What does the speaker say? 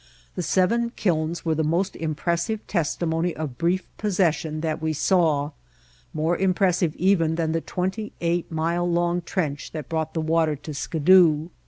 The seven kilns were the most impres sive testimony of brief possession that we saw, more impressive even than the twenty eight mile long trench that brought the water to Skidoo.